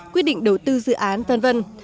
quyết định đầu tư dự án v v